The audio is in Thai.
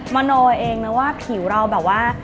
มโนเองนะว่าผิวเราแบบว่า